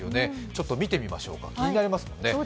ちょっと見てみましょうか、気になりますもんね。